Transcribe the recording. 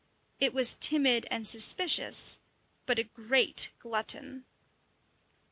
It was timid and suspicious, but a great glutton.